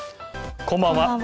こんばんは。